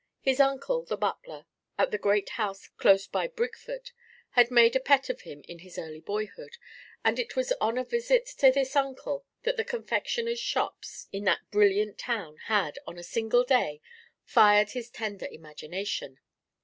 His uncle, the butler at the great house close by Brigford, had made a pet of him in his early boyhood, and it was on a visit to this uncle that the confectioners' shops in that brilliant town had, on a single day, fired his tender imagination.